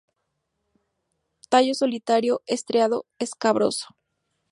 Tallo solitario, estriado, escabroso.